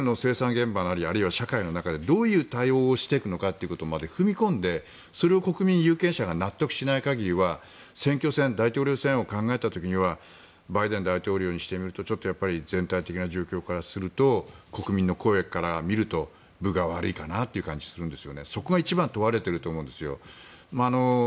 現場なりあるいは社会の中でどういう対応をしていくのかということまで踏み込んでそれを国民、有権者が納得しない限りは選挙戦大統領選を考えた時にはバイデン大統領にしてみると全体的な状況からすると国民の声から見ると分が悪いかなという感じがするんです。